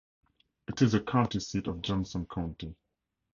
It is the county seat of Johnson County.